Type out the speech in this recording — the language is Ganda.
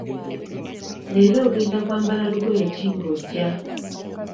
Leero ogenda kwambala lugoye ki nga ojja?